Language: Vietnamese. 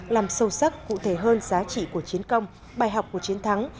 làm sâu sắc cụ thể hơn giá trị của chiến công bài học của chiến thắng